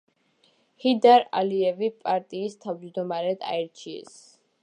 ჰეიდარ ალიევი პარტიის თავმჯდომარედ აირჩიეს.